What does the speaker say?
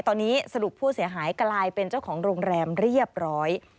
ตอนนี้สรุปผู้เสียหายกลายเป็นเจ้าของโรงแรมเรียบร้อย